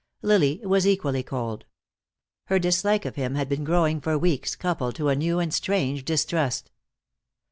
Lily was equally cold. Her dislike of him had been growing for weeks, coupled to a new and strange distrust.